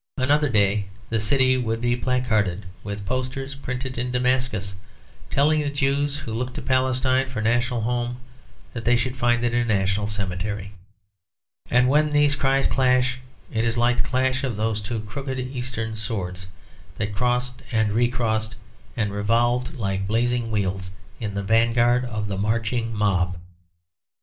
Another day the city would be placarded with posters printed in Damascus, telling the Jews who looked to Palestine for a national home that they should find it a national cemetery. And when these cries clash it is like the clash of those two crooked Eastern swords, that crossed and recrossed and revolved like blazing wheels, in the vanguard of the marching mob.